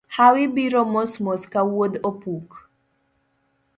Hawi biro mos mos ka wuodh opuk.